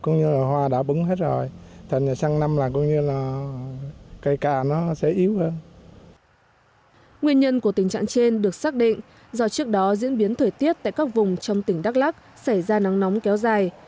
nguyên nhân của tình trạng trên được xác định do trước đó diễn biến thời tiết tại các vùng trong tỉnh đắk lắc xảy ra nắng nóng kéo dài